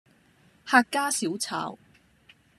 客家小炒